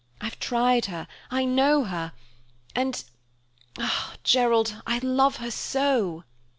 I've tried her, I know her, and ah, Gerald, I love her so!"